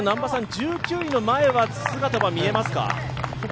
１９位の前は姿は見えますか？